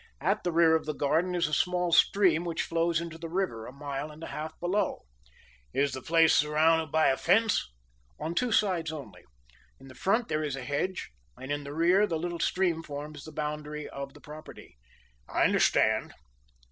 At the rear of the garden is a small stream, which flows into the river a mile and a half below." "Is the place surrounded by a fence?" "On two sides only. In the front there is a hedge and in the rear the little stream forms the boundary of the property." "I understand."